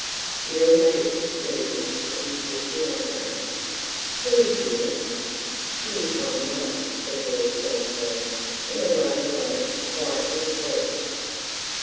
The Earl made a quick movement of his bushy eyebrows. "Who is Dearest?" "She is my mother," said Lord Fauntleroy, in a rather low, quiet little voice.